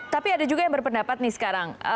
tapi ada juga yang berpendapat nih sekarang